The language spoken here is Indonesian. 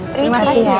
terima kasih ya